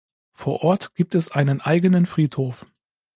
Vor Ort gibt es einen eigenen Friedhof.